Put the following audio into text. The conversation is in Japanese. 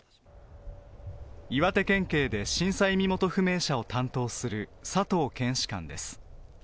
岩手県警で震災身元不明者を担当する佐藤検視官です。